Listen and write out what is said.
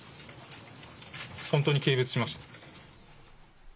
本当に軽蔑しました。